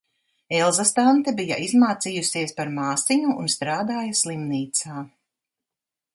Elzas tante bija izmācījusies par māsiņu un strādāja slimnīcā.